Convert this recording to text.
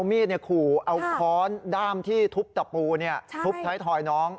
มีดขู่เอาค้อนด้ามที่ทุบตะปูทุบท้ายทอยน้อง